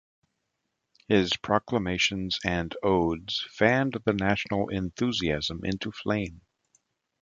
His proclamations and odes fanned the national enthusiasm into flame.